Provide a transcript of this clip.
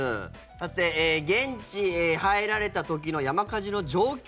現地、入られた時の山火事の状況